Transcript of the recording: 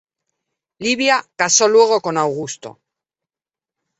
Livia casó luego con Augusto.